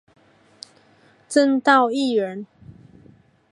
王道义人。